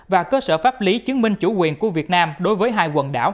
và cơ sở pháp lý chứng minh chủ quyền của việt nam đối với hai quần đảo